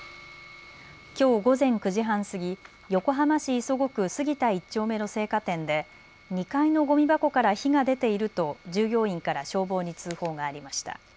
きょう午前９時半過ぎ、横浜市磯子区杉田１丁目の青果店で２階のごみ箱から火が出ていると従業員から消防に通報がありました。